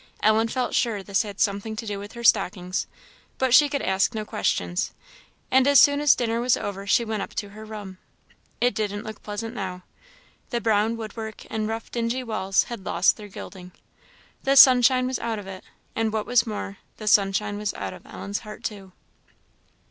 Ellen felt sure this had something to do with her stockings, but she could ask no questions; and as soon as dinner was over she went up to her room. It didn't look pleasant now. The brown wood work and rough dingy walls had lost their gilding. The sunshine was out of it; and what was more, the sunshine was out of Ellen's heart too.